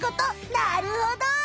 なるほど。